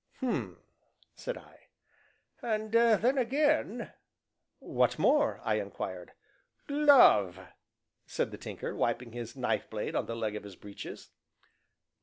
"Hum!" said I. "And then again " "What more?" I inquired. "Love!" said the Tinker, wiping his knife blade on the leg of his breeches.